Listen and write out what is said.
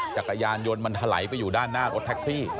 จักรยานยนต์มันถลายไปอยู่ด้านหน้ารถแท็กซี่